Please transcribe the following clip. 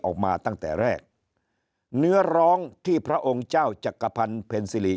ออกมาตั้งแต่แรกเนื้อร้องที่พระองค์เจ้าจักรพันธ์เพ็ญสิริ